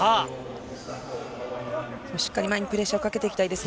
しっかり前にプレッシャーかけていきたいですね。